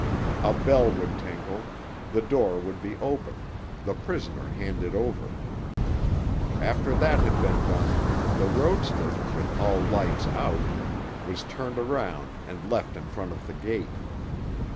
A bell would tinkle, the door would be opened, the prisoner handed over. After that had been done, the roadster, with all lights out, was turned around and left in front of the gate.